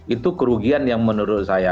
itu kerugian yang menurut saya